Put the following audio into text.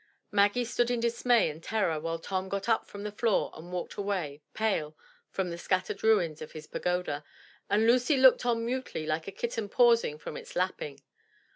Maggie stood in dismay and terror while Tom got up from the floor and walked away, pale, from the scattered ruins of his pagoda, and Lucy looked on mutely like a kitten pausing from its lapping.